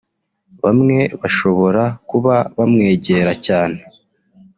Bamwe bashobora kuba bamwegera cyane